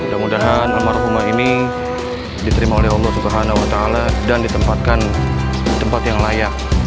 mudah mudahan almarhumah ini diterima oleh allah swt dan ditempatkan di tempat yang layak